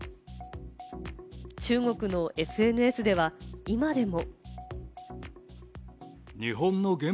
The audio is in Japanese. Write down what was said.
中国のＳＮＳでは今でも。